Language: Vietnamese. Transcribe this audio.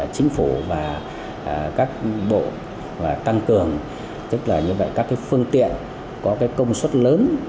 tức là các phương tiện có công suất lớn